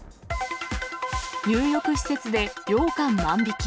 入浴施設でようかん万引き。